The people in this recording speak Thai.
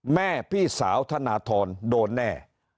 แม่พี่สาวธนาธรโดนแน่